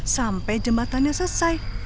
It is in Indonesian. sampai jembatannya selesai